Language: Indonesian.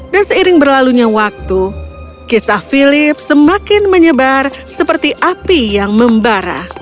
dan seiring berlalunya waktu kisah philip semakin menyebar seperti api yang membara